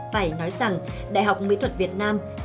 phải nói rằng đại học mỹ thuật việt nam